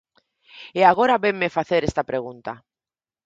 E agora vénme facer esta pregunta.